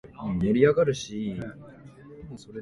加茂川の西岸にあり、川を隔てて東山一帯はもとより、